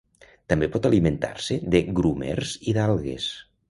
També pot alimentar-se de grumers i d'algues.